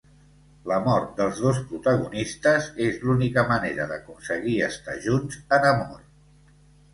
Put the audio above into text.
La mort dels dos protagonistes és l'única manera d'aconseguir estar junts en amor.